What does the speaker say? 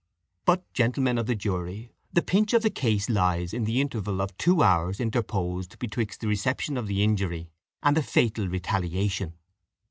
"But, gentlemen of the jury, the pinch of the case lies in the interval of two hours interposed betwixt the reception of the injury and the fatal retaliation.